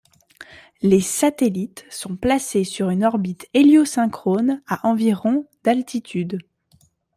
Les satellites sont placés sur une orbite héliosynchrone à environ d'altitude.